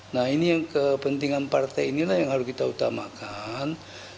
nah ini yang kepentingan partai inilah yang harus kita utamakan